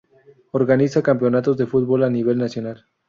Organiza campeonatos de fútbol a nivel nacional.